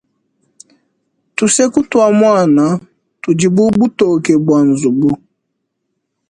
Tuseku tua muana tudi bu butoke bua nzubu.